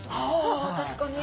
あ確かに。